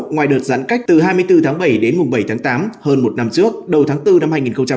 ngoài đợt giãn cách từ hai mươi bốn tháng bảy đến mùng bảy tháng tám hơn một năm trước đầu tháng bốn năm hai nghìn hai mươi